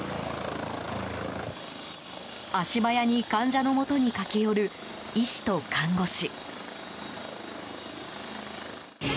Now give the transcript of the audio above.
足早に患者のもとに駆け寄る医師と看護師。